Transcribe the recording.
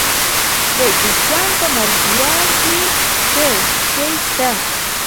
د جوزجان په مردیان کې څه شی شته؟